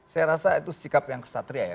saya rasa itu sikap yang kesatria ya